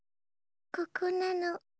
ここなの。